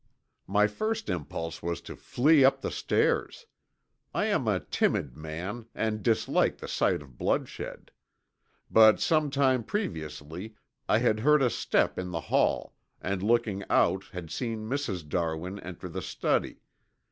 "My first impulse was to flee up the stairs. I am a timid man and dislike the sight of bloodshed. But sometime previously I had heard a step in the hall and looking out had seen Mrs. Darwin enter the study.